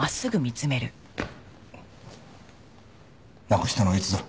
なくしたのはいつだ？